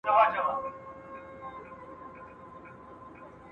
له مخلوق څخه ګوښه تر ښار دباندي